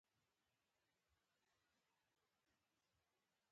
زده کوونکي دې هغه لغتونه چې ښوونکی په تخته لیکي ولیکي.